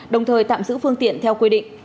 đồng thời tạm giữ phương tiện theo quy định